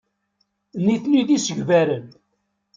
Nitni d isegbaren.